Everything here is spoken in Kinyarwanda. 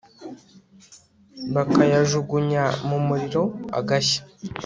bakayajugunya mu muriro agashya